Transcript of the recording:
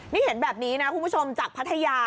นี่เห็นแบบนี้นะคุณผู้ชมจากพัทยา